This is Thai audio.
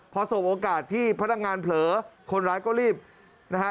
พอสบโอกาสที่พนักงานเผลอคนร้ายก็รีบนะฮะ